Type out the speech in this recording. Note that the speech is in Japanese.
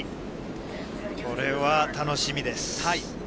これは楽しみです。